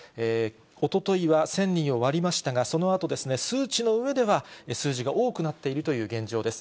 おとといは１０００人を割りましたが、そのあと数値のうえでは数字が多くなっているという現状です。